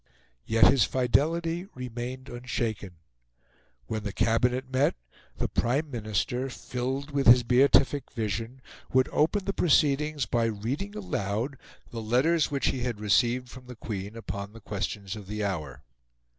Yet his fidelity remained unshaken. When the Cabinet met, the Prime Minister, filled with his beatific vision, would open the proceedings by reading aloud the letters which he had received from the Queen upon the questions of the hour.